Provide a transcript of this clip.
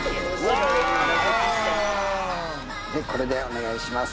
これでお願いします。